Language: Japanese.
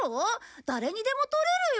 誰にでも撮れるよ。